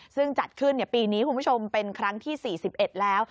ซึ่งจัดขึ้นปีนี้คุณผู้ชมเป็นครั้งที่๔๑แล้ว